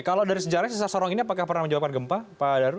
kalau dari sejarahnya sesar sorong ini apakah pernah menyebabkan gempa pak daru